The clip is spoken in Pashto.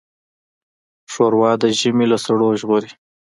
ښوروا د ژمي له سړو ژغوري.